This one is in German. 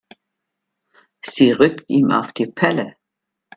Sie rückt ihm auf die Pelle.